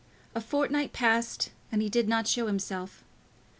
A fortnight passed and he did not show himself.